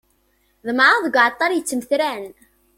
Ḍemεeɣ deg uεeṭṭar yettmetran.